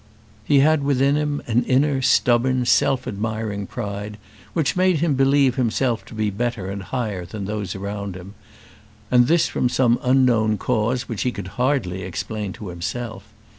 He had within him an inner, stubborn, self admiring pride, which made him believe himself to be better and higher than those around him, and this from some unknown cause which he could hardly explain to himself.